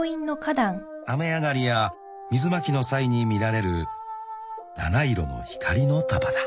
［雨上がりや水まきの際に見られる七色の光の束だ］